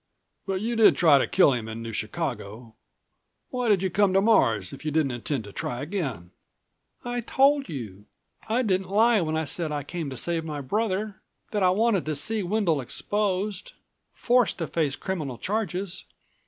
But you did try to kill him in New Chicago. Why did you come to Mars, if you didn't intend to try again?" "I told you. I didn't lie when I said I came to save my brother, that I wanted to see Wendel exposed ... forced to face criminal charges.